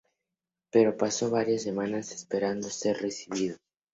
Pero pasó varias semanas esperando ser recibido.